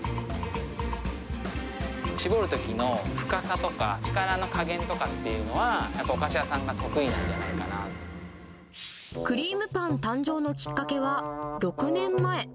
絞るときの深さとか、力の加減とかっていうのは、やっぱりお菓子屋さんが得意なんクリームパン誕生のきっかけは６年前。